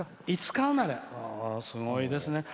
すごいですね。